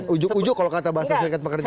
ujuk ujuk kalau kata bahasa serikat pekerja